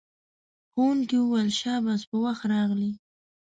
ښوونکی وویل شاباس په وخت راغلئ.